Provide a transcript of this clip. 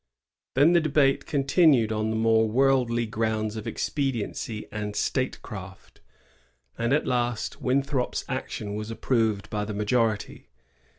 Then the debate continued on the more worldly grounds of expediency and statecraft, and at last Winthrop's action was approved by the majority.